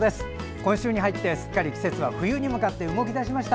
今週に入ってすっかり季節は冬に向かって動き出しました。